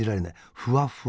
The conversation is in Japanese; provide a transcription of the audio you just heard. ふわふわ。